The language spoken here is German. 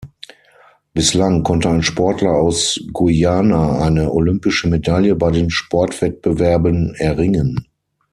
Bislang konnte ein Sportler aus Guyana eine olympische Medaille bei den Sportwettbewerben erringen.